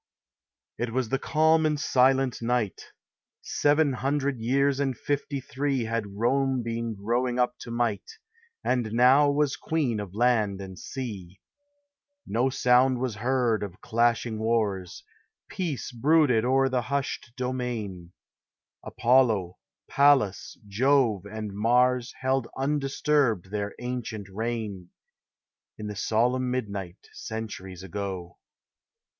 It was the calm and silent night ! Seven hundred years and fifty three Had Rome been growing up to might, And now was queen of land and sea. GO THE HIGHER LIFE. No sound was heard of clashing wars ; Peace brooded o'er the hushed domain : Apollo, Pallas, Jove, and Mars Held undisturbed their ancient reign, In the solemn midnight, Centuries ago.